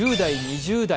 １０代、２０代